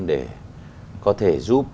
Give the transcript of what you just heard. để có thể giúp